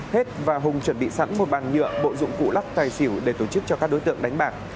hết và hùng chuẩn bị sẵn một bàn nhựa bộ dụng cụ lắc tài xỉu để tổ chức cho các đối tượng đánh bạc